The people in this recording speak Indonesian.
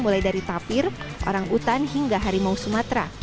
mulai dari tapir orang utan hingga harimau sumatera